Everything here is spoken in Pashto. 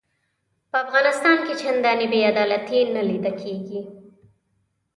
په افغانستان کې چنداني بې عدالتي نه لیده کیږي.